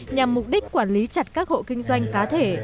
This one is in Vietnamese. nhằm mục đích quản lý chặt các hộ kinh doanh cá thể